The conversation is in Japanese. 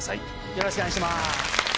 よろしくお願いします。